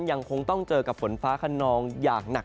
ยังคงต้องเจอกับฝนฟ้าขนองอย่างหนัก